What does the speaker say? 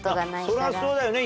そうだよね